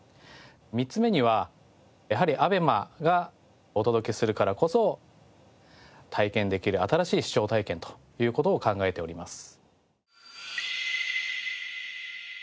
３つ目にはやはりＡＢＥＭＡがお届けするからこそ体験できる新しい視聴体験という事を考えております。